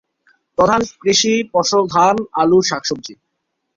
প্রধান কৃষি ফসল ধান, আলু, শাকসবজি।